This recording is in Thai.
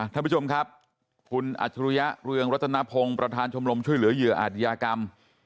ท่านผู้ชมครับคุณอัจฉริยะเรืองรัตนพงศ์ประธานชมรมช่วยเหลือเหยื่ออาจยากรรม